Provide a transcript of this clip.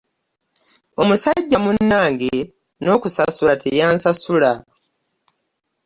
Omusajja munnange n'okunsasula teyansasula.